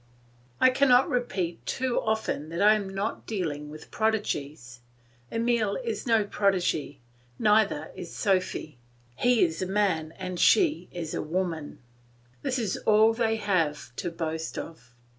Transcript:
I cannot repeat too often that I am not dealing with prodigies. Emile is no prodigy, neither is Sophy. He is a man and she is a woman; this is all they have to boast of.